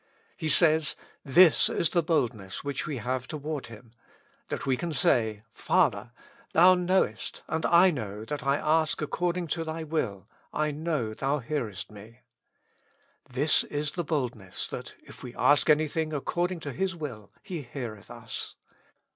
He says, " This is the boldness which we have toward Hi7n,''^ that we can say: Father ! Thou knowest and I know that I ask according to Thy will : I know Thou hearest me. " This is the boldness, that if we ask anything according to His will, He heareth us."